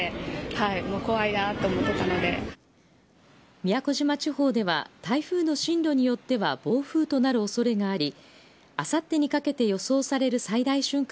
宮古島地方では台風の進路によっては暴風となる恐れがありあさってにかけて予想される最大瞬間